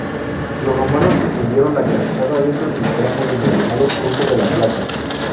Los romanos incluyeron la calzada dentro del tramo denominado ruta de la plata.